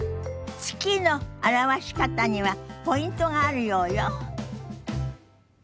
「月」の表し方にはポイントがあるようよ。